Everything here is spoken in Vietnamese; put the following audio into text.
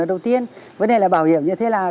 đầu tiên vấn đề là bảo hiểm như thế nào